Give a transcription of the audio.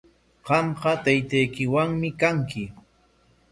Qamqa taytaykinawmi kanki.